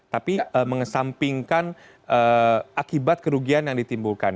tapi mengesampingkan akibat kerugian yang ditimbulkan